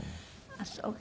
あっそうか。